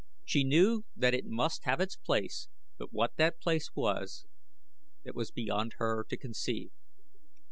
She knew that it must have its place but what that place was it was beyond her to conceive.